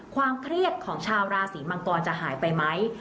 ความเครียดของชาวราศีมังกรจะหายไปไหม